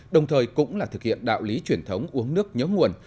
đồng thời cũng là thực hiện đạo lý truyền thống uống nước nhớ nguồn